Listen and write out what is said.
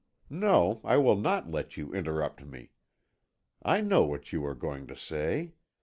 No, I will not let you interrupt me; I know what you are going to say.